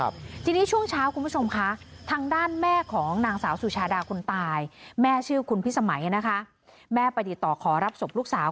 พี่สมัยนะคะแม่ไปติดต่อขอรับศพลูกสาว